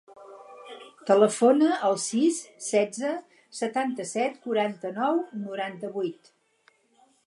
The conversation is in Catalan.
Telefona al sis, setze, setanta-set, quaranta-nou, noranta-vuit.